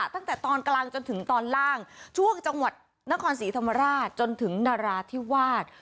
ตั้งแต่ตอนกลางจนถึงตอนล่างช่วงจังหวัดนครศรีธรรมราชจนถึงนราธิวาส